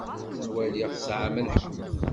Ttwaliɣ tesɛamt lḥeqq.